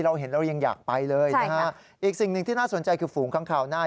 เราเห็นเรายังอยากไปเลยนะฮะอีกสิ่งหนึ่งที่น่าสนใจคือฝูงค้างคาวหน้า